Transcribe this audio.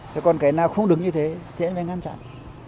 thế còn cái nào không đứng như thế thì anh mới ngăn chặn